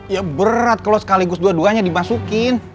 ya berat kalau sekaligus dua duanya dimasukin